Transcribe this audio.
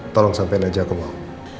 tolong sampein aja aku mau